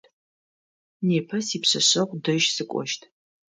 Непэ сипшъэшъэгъу дэжь сыкӏощт.